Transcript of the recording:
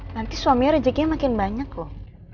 nanti suaminya rezekinya makin banyak loh